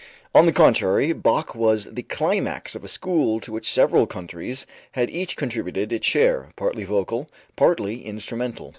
On the contrary, Bach was the climax of a school to which several countries had each contributed its share, partly vocal, partly instrumental.